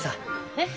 えっ？